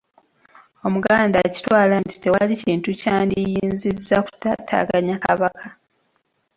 Omuganda akitwala nti tewali kintu kyandiyinzizza kutaataaganya Kabaka.